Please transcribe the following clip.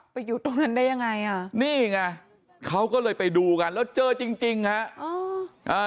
อยู่ตรงนั้นได้ยังไงอ่ะนี่ไงเขาก็เลยไปดูกันแล้วเจอจริงจริงฮะ